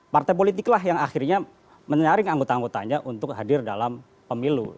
partai politiklah yang akhirnya menyaring anggota anggotanya untuk hadir dalam pemilu